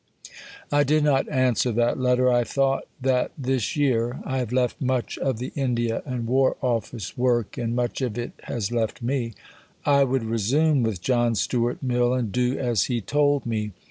I did not answer that letter. I thought that this year (I have left much of the India and War Office work, and much of it has left me) I would resume with John Stuart Mill and do as he told me.